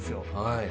はい。